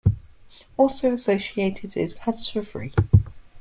Also associated is "Ads for Free".